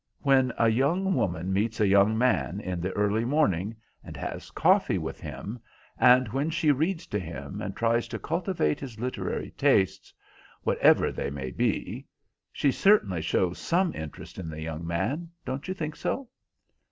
When a young woman meets a young man in the early morning, and has coffee with him, and when she reads to him, and tries to cultivate his literary tastes, whatever they may be, she certainly shows some interest in the young man, don't you think so?"